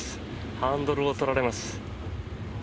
ハンドルを取られます。